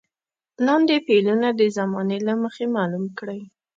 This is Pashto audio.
لاندې فعلونه د زمانې له مخې معلوم کړئ.